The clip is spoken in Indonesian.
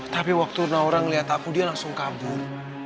tapi waktu naura ngeliat aku dia langsung kabur